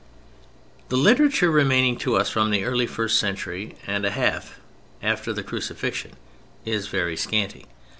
The literature remaining to us from the early first century and a half after the Crucifixion is very scanty.